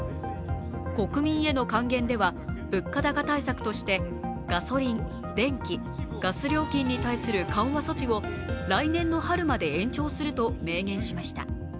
国民への還元では、物価高対策としてガソリン、電気、ガス料金に対する緩和措置を来年の春まで延長すると明言しました。